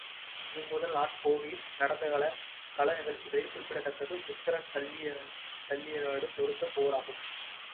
இம்முதல் நாட் போரில் நடந்த கள நிகழ்ச்சிகளில் குறிப்பிடத்தக்கது உத்தரன் சல்லியனோடு தொடுத்த போராகும்.